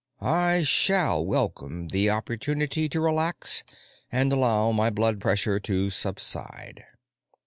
I shall welcome the opportunity to relax and allow my blood pressure to subside."